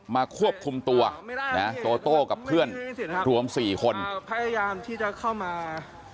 ควบคุมตัวนะโตโต้กับเพื่อนรวม๔คนพยายามที่จะเข้ามา